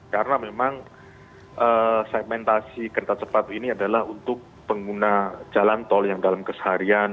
karena memang segmentasi kereta cepat ini adalah untuk pengguna jalan tol yang dalam keseharian